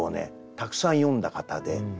たくさん詠んだ方で。